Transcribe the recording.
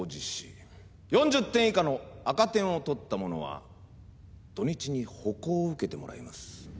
４０点以下の赤点を取った者は土日に補講を受けてもらいます。